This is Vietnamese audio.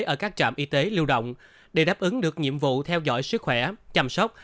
ở các trạm y tế lưu động để đáp ứng được nhiệm vụ theo dõi sức khỏe chăm sóc